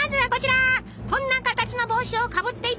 こんな形の帽子をかぶっていたのは？